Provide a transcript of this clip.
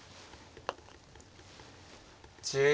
１０秒。